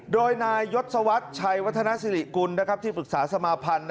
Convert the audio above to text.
โดยนายยศวรรษชัยวัฒนสิริกุลที่ปรึกษาสมาพันธ์